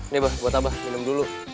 nih abah buat abah minum dulu